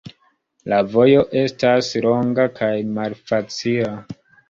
La vojo estas longa kaj malfacila.